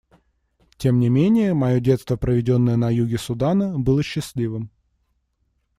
Тем не менее мое детство, проведенное на юге Судана, было счастливым.